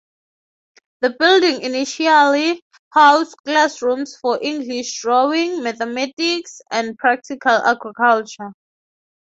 The building initially housed classrooms for English, drawing, mathematics, and practical agriculture.